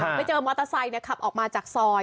ไปเจอมอเตอร์ไซค์ขับออกมาจากซอย